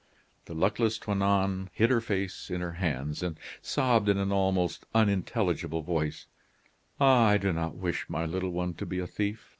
The luckless Toinon hid her face in her hands, and sobbed in an almost unintelligible voice: "Ah, I did not wish my little one to be a thief."